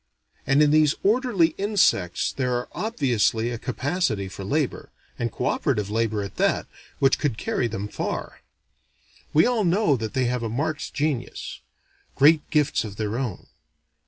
And in these orderly insects there are obviously a capacity for labor, and co operative labor at that, which could carry them far. We all know that they have a marked genius: great gifts of their own.